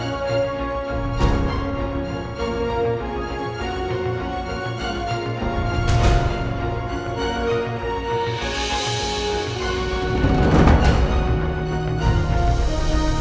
oh empat rupiah